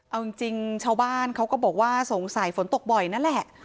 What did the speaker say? เอาจริงชาวบ้านเขาก็บอกว่าสงสัยฝนตกบ่อยนั่นแหละ